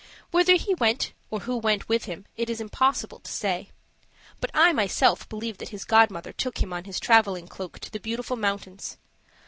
Whither he went, or who went with him, it is impossible to say. But I myself believe that his godmother took him on his traveling cloak to the Beautiful Mountains.